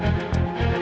gak akan kecil